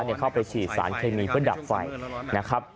เข้าไปฉีดสารเคมีเพื่อดับไฟนะครับ